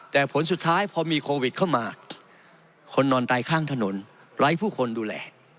แต่ผลสุดท้ายพอมีโควิดเข้ามาคนนอนตายข้างถนนไร้ผู้คนดูแล